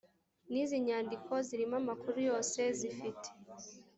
n izindi nyandiko zirimo amakuru yose zifite